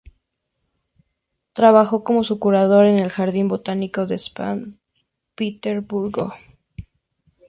Trabajó como curador en el Jardín botánico de San Petersburgo.